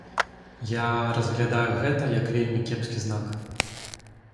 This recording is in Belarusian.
Я разглядаю гэта як вельмі кепскі знак.